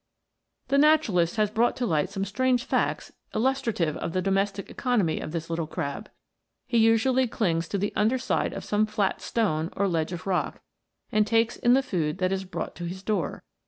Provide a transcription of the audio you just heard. The naturalist has brought to light some strange facts illustrative of the domestic economy of this little crab. He usually clings to the under side of some flat stone or ledge of rock, and takes in the food that is brought to his door.